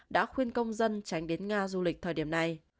đã khuyên công dân tránh đến nga du lịch thời điểm này